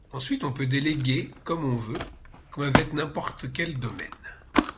Ensuite, on peut déléguer comme on veut, comme avec n'importe quel domaine.